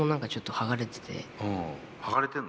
剥がれてるの？